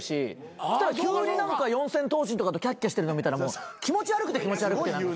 急に何か四千頭身とかとキャッキャしてるの見たら気持ち悪くて気持ち悪くて。